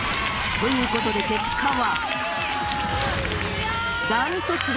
ということで結果は？